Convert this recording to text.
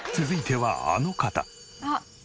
続いてはあの方。